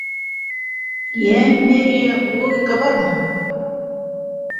Йә, Мерея, логика бармы?